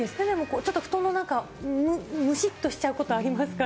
ちょっと布団の中、むしっとしちゃうことありますから。